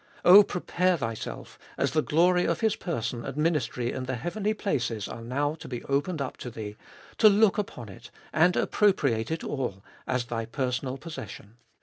Oh, prepare thyself, as the glory of His person and ministry in the heavenly places are now to be opened up to thee, to look upon it, and appropriate it all, as thy personal posses sion.